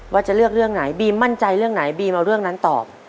ว่าจะเลือกเรื่องไหนบีมมั่นใจเรื่องไหนบีมเอาเรื่องนั้นตอบ